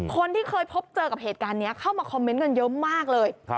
คนที่เคยพบเจอกับเหตุการณ์นี้เข้ามาคอมเมนต์กันเยอะมากเลย